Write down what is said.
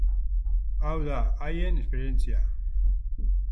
Hau da haien esperientzia.